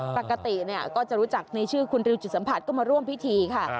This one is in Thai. ปกติก็จะรู้จักในชื่อคุณริวจิตสัมผัสก็มาร่วมพิธีค่ะ